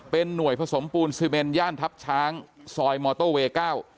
เป็นหน่วยผสมปูนซีเมนย่านทัพช้างซอยมอเตอร์เวย์เก้า